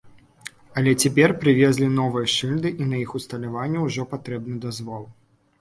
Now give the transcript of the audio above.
Але цяпер прывезлі новыя шыльды, і на іх усталяванне ўжо патрэбны дазвол.